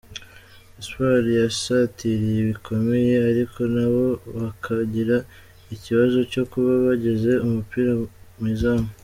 Espoir yasatiriye bikomeye, ariko na bo bakagira ikibazo cyo kuba bageza umupira mu izamu.